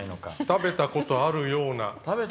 食べたことあるような。